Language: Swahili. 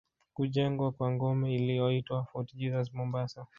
Kujengwa kwa ngome iliyoitwa Fort Jesus Mombasa